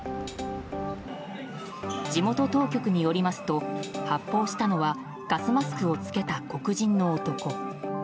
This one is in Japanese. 地元当局によりますと発砲したのはガスマスクを着けた黒人の男。